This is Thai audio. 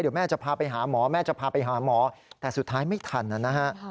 เดี๋ยวแม่จะพาไปหาหมอแม่จะพาไปหาหมอแต่สุดท้ายไม่ทันนะฮะ